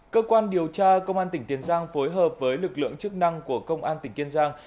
cơ quan điều tra công an tỉnh tiền giang phối hợp với lực lượng chức năng của công an tỉnh kiên giang